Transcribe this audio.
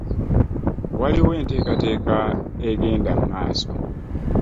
Waliwo enteekateeka egenda mu maaso.